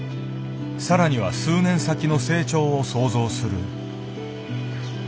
更には数年先の成長を想像する。